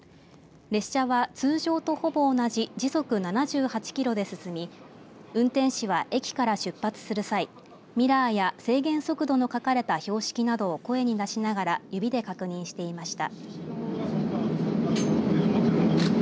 列車は通常とほぼ同じ時速７８キロで進み運転士は、駅から出発する際ミラーや制限速度の書かれた標識などを声に出しながら指で確認していました。